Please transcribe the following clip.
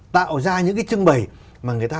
tạo ra những cái trưng bày mà người ta